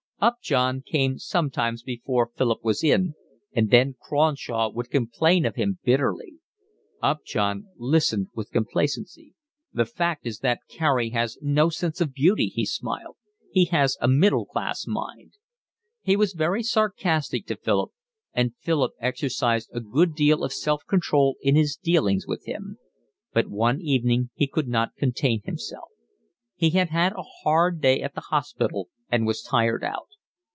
Upjohn came sometimes before Philip was in, and then Cronshaw would complain of him bitterly. Upjohn listened with complacency. "The fact is that Carey has no sense of beauty," he smiled. "He has a middle class mind." He was very sarcastic to Philip, and Philip exercised a good deal of self control in his dealings with him. But one evening he could not contain himself. He had had a hard day at the hospital and was tired out.